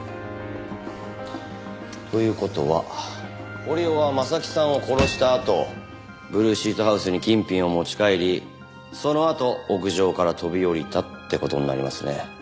という事は堀尾は征木さんを殺したあとブルーシートハウスに金品を持ち帰りそのあと屋上から飛び降りたって事になりますね。